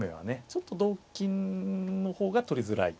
ちょっと同金の方が取りづらい。